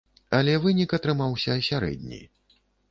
Але вынік атрымаўся сярэдні.